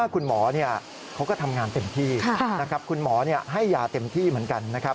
คุณหมอให้ยาเต็มที่เหมือนกันนะครับ